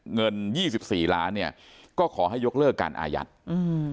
เงินยี่สิบสี่ล้านเนี้ยก็ขอให้ยกเลิกการอายัดอืม